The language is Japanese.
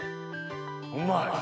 うまい。